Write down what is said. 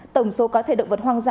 tổng số cá thể động vật hoang dã